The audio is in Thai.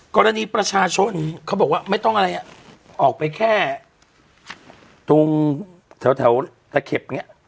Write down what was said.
กรณีประชาชนเขาบอกไม่ต้องอะไรออกไปแค่ทุ่งแถวกับเข็บเนี่ย